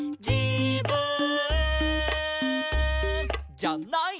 「じゃない」